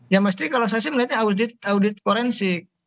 ya mesti kalau saya sih melihatnya audit forensik